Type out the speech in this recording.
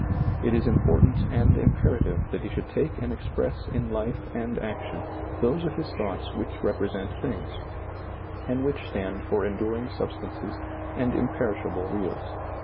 It is important and imperative that he should take and express in life and action those of his thoughts which rep resent things, and which stand for enduring sub stances and imperishable reals.